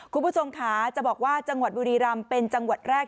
คุณผู้ชมค่ะจะบอกว่าจังหวัดบุรีรำเป็นจังหวัดแรก